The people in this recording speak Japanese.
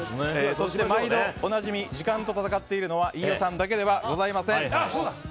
そして毎度おなじみ時間と戦っているのは飯尾さんだけではございません。